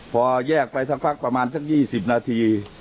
พอแยกไปสักพักประมาณสัก๒๐นาที